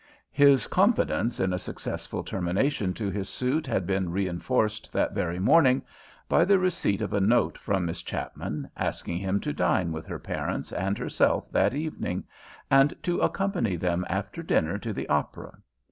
His confidence in a successful termination to his suit had been reinforced that very morning by the receipt of a note from Miss Chapman asking him to dine with her parents and herself that evening, and to accompany them after dinner to the opera.